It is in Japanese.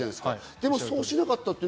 でもそうしなかった。